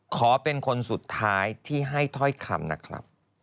ขอเป็นคนสุดท้ายที่ให้ถ้อยคำนะครับ